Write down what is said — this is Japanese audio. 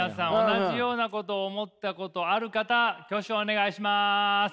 同じようなことを思ったことある方挙手お願いします。